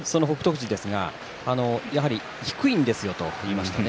富士ですがやっぱり低いんですよと言いましたね。